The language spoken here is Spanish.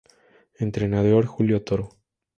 Entrenador: Julio Toro.